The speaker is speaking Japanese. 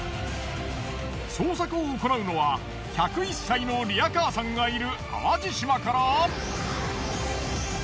捜索を行うのは１０１歳のリヤカーさんがいる淡路島から。